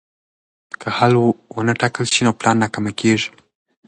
که حل ونه ټاکل شي نو پلان ناکامېږي.